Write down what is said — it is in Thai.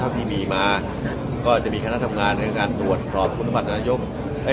ก็อาจจะมีคณะทำงานในการตรวจสอบคุณสบัตรครัฐมนตรี